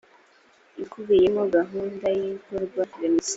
ikubiyemo gahunda y ibikorwa remezo